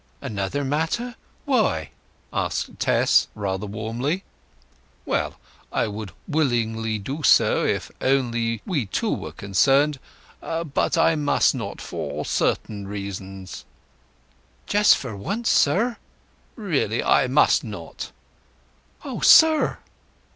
"Another matter—why?" asked Tess, rather warmly. "Well—I would willingly do so if only we two were concerned. But I must not—for certain reasons." "Just for once, sir!" "Really I must not." "O sir!"